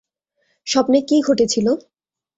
স্বপ্নে কী ঘটেছিল?